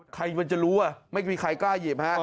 ใครมันจะรู้ไม่มีใครกล้าหยิบฮะ